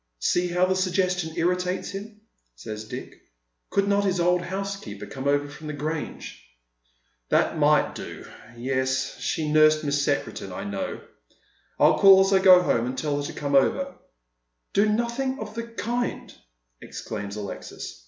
" See how the suggestion irritates him," says Dick. Could not his old housekeeper come over from the Grange ?"" That might do. Yes, she nursed Miss Secretan, I know. I'll call as I go home and tell her to come over." " Do nothing of the kind," exclaims Alexis.